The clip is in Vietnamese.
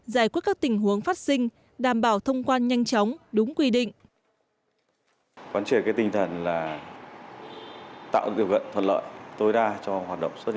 giải quyết các tình huống phát sinh đảm bảo thông quan nhanh chóng đúng quy định